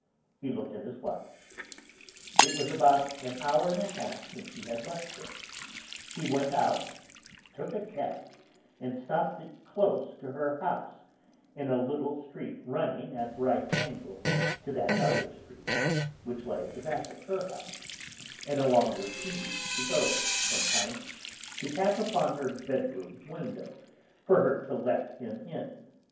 He looked at his watch. It was about an hour and a half since he had left her; he went out, took a cab, and stopped it close to her house, in a little street running at right angles to that other street, which lay at the back of her house, and along which he used to go, sometimes, to tap upon her bedroom window, for her to let him in.